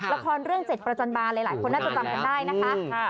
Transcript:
ละครเรื่อง๗ประจันบาลหลายคนน่าจะจำกันได้นะคะ